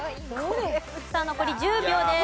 さあ残り１０秒です。